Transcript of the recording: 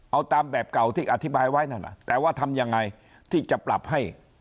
เอาตามแบบเก่าที่อธิบายไว้นั่นน่ะแต่ว่าทำยังไงที่จะปรับให้